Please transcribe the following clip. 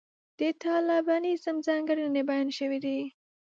د طالبانیزم ځانګړنې بیان شوې دي.